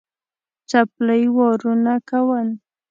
څپلۍ وارونه کول.